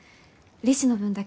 利子の分だけでも。